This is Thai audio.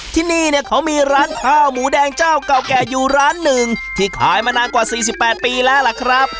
ที่นี่เนี่ยเขามีร้านข้าวหมูแดงเจ้าเก่าแก่อยู่ร้านหนึ่งที่ขายมานานกว่า๔๘ปีแล้วล่ะครับ